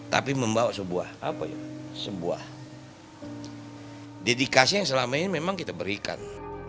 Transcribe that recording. tapi membawa sebuah dedikasi yang selama ini memang kita berikan